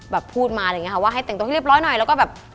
พูดมาอะไรอย่างนี้ค่ะว่าให้แต่งตัวให้เรียบร้อยหน่อยแล้วก็แบบ